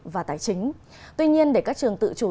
và tài chính tuy nhiên để các trường tự chủ